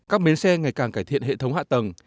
các bến xe ngày càng cải thiện hệ thống hạ tầng